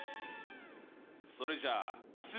それじゃあ蒼澄。